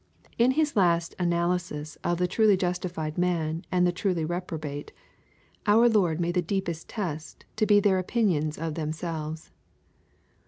In His last analysis of the truly justified man and the truly reprobate, our Lord made the deepest test to be their opinion of themselves.